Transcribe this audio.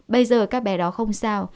bây giờ các bé đó không sao